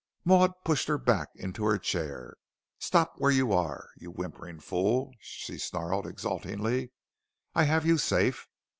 Maud pushed her back into her chair. "Stop where you are, you whimpering fool!" she snarled exultingly, "I have you safe."